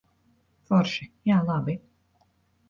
Forši. Jā, labi.